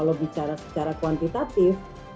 kalau bicara secara kuantitatif